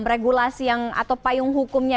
regulasi atau payung hukumnya